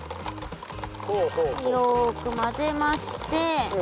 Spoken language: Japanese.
よくまぜまして。